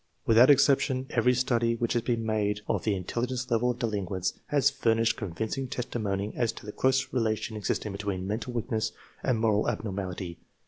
Without 8 THE MEASUREMENT OF INTELLIGENCE exception, every study which has been made of the in telligence level of delinquents has furnished convincing testimony as to the close relation existing between mental weakness and moral abnormality.